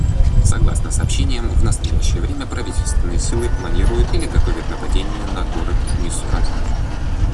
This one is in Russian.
Согласно сообщениям, в настоящее время правительственные силы планируют или готовят нападения на город Мисурата.